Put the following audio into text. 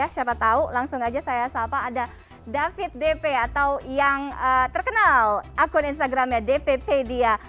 siapa tahu langsung aja saya sapa ada david dp atau yang terkenal akun instagramnya dppedia